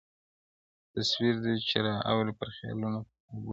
یو تصویر دی چي را اوري پر خیالونو، پر خوبونو!